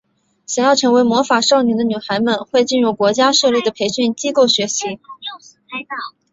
想要成为魔法少女的女孩们会进入国家设立的培训机构学习。